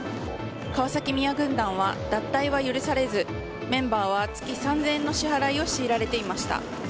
川崎宮軍団は脱退は許されずメンバーは月３０００円の支払いを強いられていました。